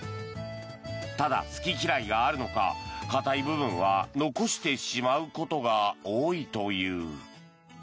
ただ、好き嫌いがあるのか硬い部分は残してしまうことが多いという。